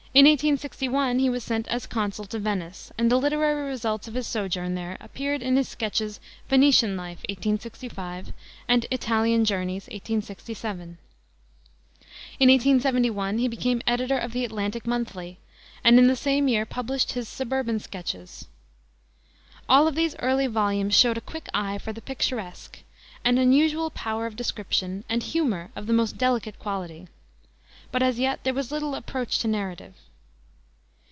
In 1861 he was sent as consul to Venice, and the literary results of his sojourn there appeared in his sketches Venetian Life, 1865, and Italian Journeys, 1867. In 1871 he became editor of the Atlantic Monthly, and in the same year published his Suburban Sketches. All of these early volumes showed a quick eye for the picturesque, an unusual power of description, and humor of the most delicate quality; but as yet there was little approach to narrative.